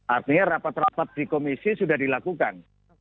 artinya rapat rapat di komisi sudah dilakukan